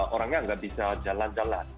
orangnya nggak bisa jalan jalan